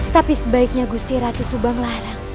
tapi sebaiknya gusti ratu subang larang